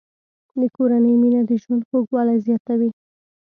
د کورنۍ مینه د ژوند خوږوالی زیاتوي.